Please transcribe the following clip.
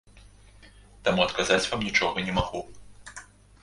Таму адказаць вам нічога не магу.